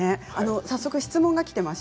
早速質問がきています。